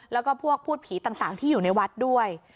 แล้วก็พวกพูดผีต่างที่อยู่ในวัดด้วย